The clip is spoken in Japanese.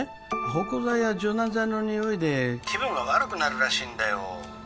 芳香剤や柔軟剤のにおいで☎気分が悪くなるらしいんだよ